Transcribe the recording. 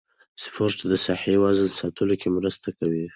سپورت د صحي وزن ساتلو کې مرسته کوي.